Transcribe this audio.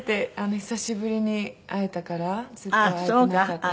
久しぶりに会えたからずっと会えてなかったから。